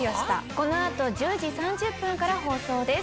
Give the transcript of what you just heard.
この後１０時３０分から放送です。